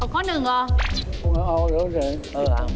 ข้อ๑น่ะเอาข้อ๑อ๋อ